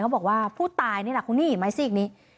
เขาบอกว่าผู้ตายนี่ละคุณเห็นไหมสิอีกนี้